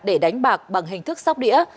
để đánh bạc bằng hình thức sóc đĩa